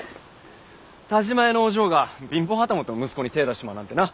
田嶋屋のお嬢が貧乏旗本の息子に手ぇ出しちまうなんてなぁ。